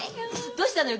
どしたのよ